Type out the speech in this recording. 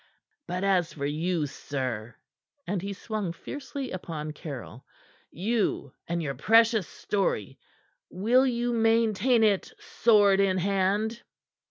But as for you, sir," and he swung fiercely upon Caryll, "you and your precious story will you maintain it sword in hand?"